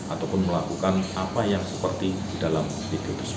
ataupun melakukan apa yang seperti di dalam video tersebut